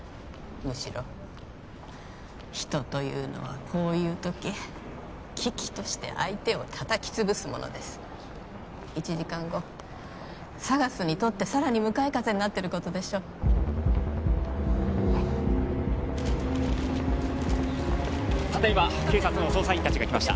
むしろ人というのはこういう時喜々として相手を叩き潰すものです１時間後ＳＡＧＡＳにとってさらに向かい風になってることでしょうたった今警察の捜査員達が来ました